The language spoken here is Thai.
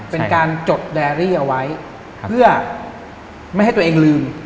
เป็นการจดแดรี่เอาไว้เพื่อไม่ให้ตัวเองลืม